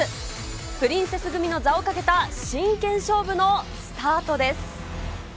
プリンセス組の座をかけた真剣勝負のスタートです。